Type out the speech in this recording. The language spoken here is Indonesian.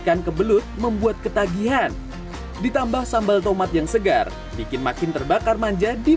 ikan kebelut membuat ketagihan ditambah sambal tomat yang segar bikin makin terbakar manja di